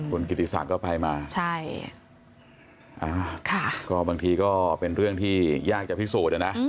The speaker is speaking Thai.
คุณกิติศักดิ์ก็ไปมาใช่ก็บางทีก็เป็นเรื่องที่ยากจะพิสูจน์อะนะ